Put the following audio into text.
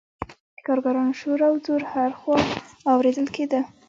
د کارګرانو شور او ځوږ هر خوا اوریدل کیده.